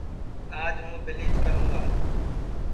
آج ہوں بیلیچ کروں گا